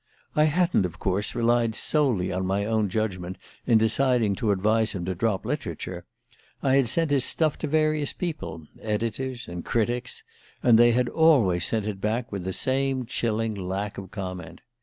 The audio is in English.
I hadn't, of course, relied solely on my own judgment in deciding to advise him to drop literature. I had sent his stuff to various people editors and critics and they had always sent it back with the same chilling lack of comment.